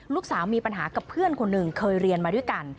ลูกสาวมีปัญหากับเพื่อนคนหนึ่งเคยเรียนมาด้วยกัน